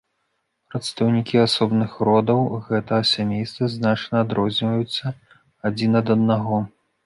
Прадстаўнікі асобных родаў гэтага сямейства значна адрозніваюцца адзін ад аднаго.